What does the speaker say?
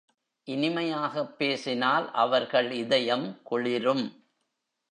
இனிமையாகப் பேசினால் அவர்கள் இதயம் குளிரும்.